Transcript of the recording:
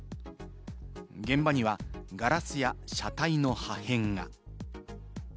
現場にはガラスや車体の破片が。